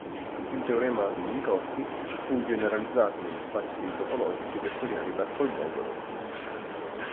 Il teorema di Minkowski fu generalizzato negli spazi topologici vettoriali da Kolmogorov.